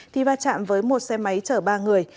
thì va chạm với một xe máy chở ba người